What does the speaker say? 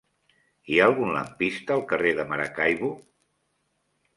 Hi ha algun lampista al carrer de Maracaibo?